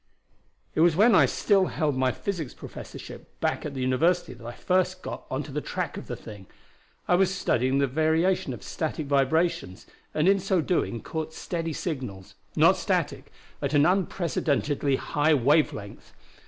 "It was when I still held my physics professorship back at the university that I got first onto the track of the thing. I was studying the variation of static vibrations, and in so doing caught steady signals not static at an unprecedentedly high wave length.